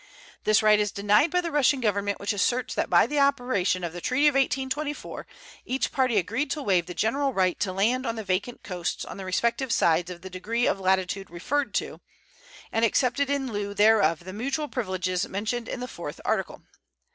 This right is denied by the Russian Government, which asserts that by the operation of the treaty of 1824 each party agreed to waive the general right to land on the vacant coasts on the respective sides of the degree of latitude referred to, and accepted in lieu thereof the mutual privileges mentioned in the fourth article.